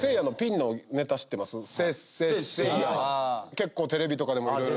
結構テレビとかでもいろいろ。